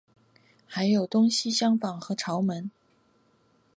还有东西厢房和朝门。